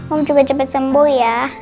om juga cepat sembuh ya